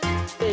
ya saya mau